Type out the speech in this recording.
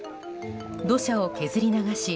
土砂を削り流し